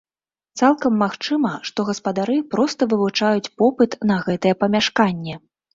Цалкам магчыма, што гаспадары проста вывучаюць попыт на гэтае памяшканне.